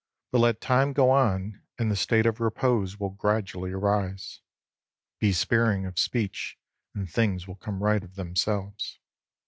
But let time go on, and the state of repose will gradually arise. Be sparing of speech, and things will come right of themselves.